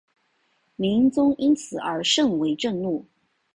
明英宗因此而甚为震怒。